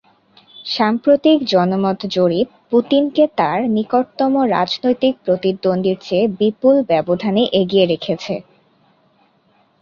সাম্প্রতিক জনমত জরিপ পুতিনকে তাঁর নিকটতম রাজনৈতিক প্রতিদ্বন্দ্বীর চেয়ে বিপুল ব্যবধানে এগিয়ে রেখেছে।